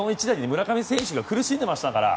村上選手、苦しんでましたから。